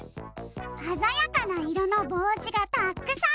あざやかないろのぼうしがたっくさん！